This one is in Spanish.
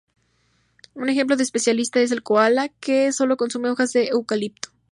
Un ejemplo de especialista es el koala, que solo consume hojas de eucalipto.